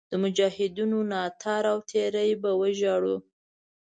د مجاهدینو ناتار او تېری به وژاړو.